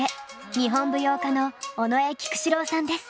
日本舞踊家の尾上菊紫郎さんです。